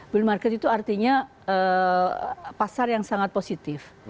build market itu artinya pasar yang sangat positif